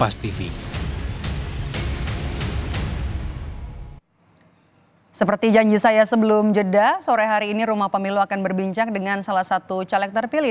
seperti janji saya sebelum jeda sore hari ini rumah pemilu akan berbincang dengan salah satu caleg terpilih